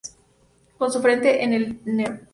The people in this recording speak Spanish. Con su frente en el nro.